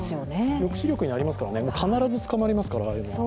抑止力になりますからね、必ず捕まりますから。